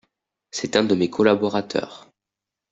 C’est un de mes collaborateurs.